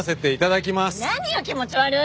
何よ気持ち悪い！